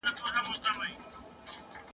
دا دي كور دى دا دي اور !.